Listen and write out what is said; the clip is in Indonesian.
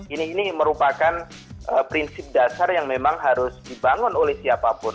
ini merupakan prinsip dasar yang memang harus dibangun oleh siapapun